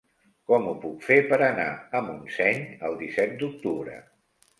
Com ho puc fer per anar a Montseny el disset d'octubre?